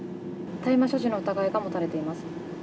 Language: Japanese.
大麻所持の疑いが持たれています。